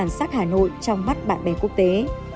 sắc hà nội trong mắt bạn bè quốc tế